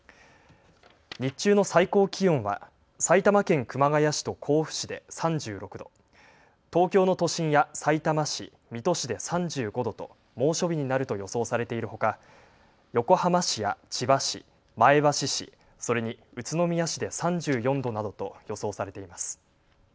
日中の最高気温は埼玉県熊谷市と甲府市で３６度、東京の都心やさいたま市、水戸市で３５度と猛暑日になると予想されているほか横浜市や千葉市、前橋市、それに宇都宮市で３４度などと予想されています。